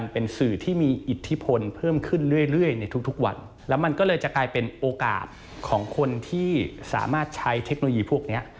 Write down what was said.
เป็นโอกาสของคนที่สามารถใช้เทคโนโลยีพวกนี้